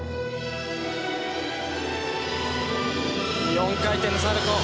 ４回転サルコー。